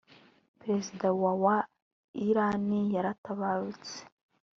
perezida wa wa Iran yaratabarutse